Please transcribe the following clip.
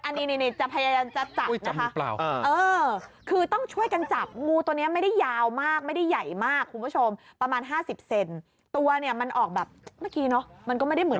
อันนี้จะพยายามจะจับนะคะอืมจับมูเปล่าเออ